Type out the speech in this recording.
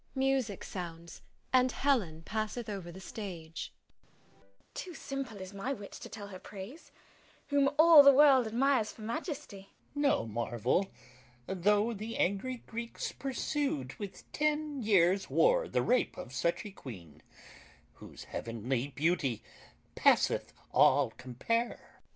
[Music sounds, and HELEN passeth over the stage.] SECOND SCHOLAR. Too simple is my wit to tell her praise, Whom all the world admires for majesty. THIRD SCHOLAR. No marvel though the angry Greeks pursu'd With ten years' war the rape of such a queen, Whose heavenly beauty passeth all compare. FIRST SCHOLAR.